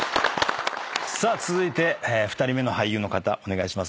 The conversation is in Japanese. さあ続いて２人目の俳優の方お願いします。